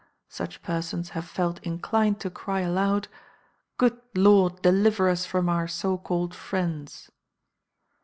Such persons have felt inclined to cry aloud "Good Lord, deliver us from our so called friends!"